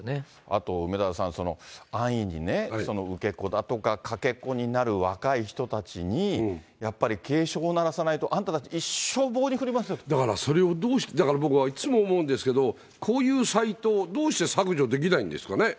あと、梅沢さん、安易に受け子だとか、かけ子になる若い人たちに、やっぱり警鐘を鳴らさないと、あんたたち、だからそれを、だから僕はいつも思うんですけど、こういうサイトをどうして削除できないんですかね。